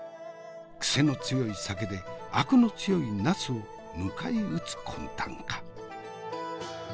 癖の強い酒でアクの強いナスを迎え撃つ魂胆か？